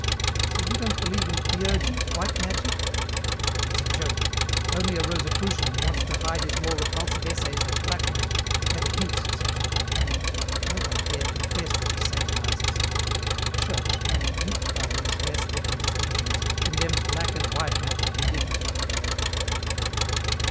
"So you don't believe in theurgy, white magic?" "It's a joke. Only a Rosicrucian who wants to hide his more repulsive essays at black magic ever hints at such a thing. No one dare confess that he satanizes. The Church, not duped by these hair splitting distinctions, condemns black and white magic indifferently."